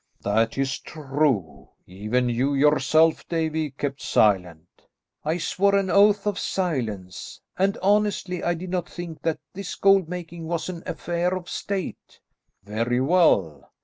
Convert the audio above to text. "That is true; even you yourself, Davie, kept silent." "I swore an oath of silence, and honestly, I did not think that this gold making was an affair of State." "Very well.